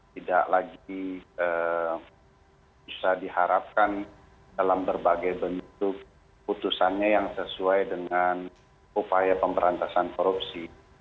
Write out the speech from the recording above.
tidak lagi bisa diharapkan dalam berbagai bentuk putusannya yang sesuai dengan upaya pemberantasan korupsi